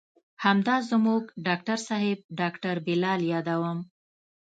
همدا زموږ ډاکتر صاحب ډاکتر بلال يادوم.